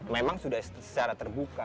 memang sudah secara terbuka